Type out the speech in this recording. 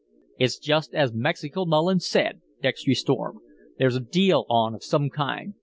"It's just as Mexico Mullins said," Dextry stormed; "there's a deal on of some kind.